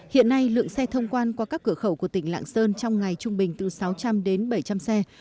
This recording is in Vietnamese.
hiện nay lượng xe thông quan qua các cửa khẩu của tỉnh lạng sơn trong ngày trung bình từ sáu trăm linh đến bảy trăm linh xe